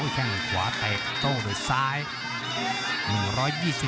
แค่งขวาเตะโต้ด้วยซ้าย